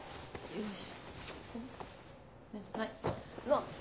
よし。